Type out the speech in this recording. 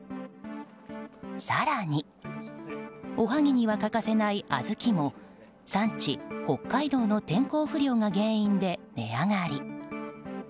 更に、おはぎには欠かせない小豆も産地、北海道の天候不良が原因で値上がり。